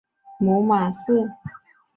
母马氏。